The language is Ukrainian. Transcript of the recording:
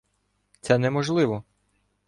— Це неможливо!.